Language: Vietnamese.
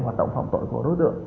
hoạt động phòng tội của đối tượng